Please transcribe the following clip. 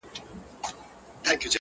لنډ ماځيگر انتظار، اوږده غرمه انتظار~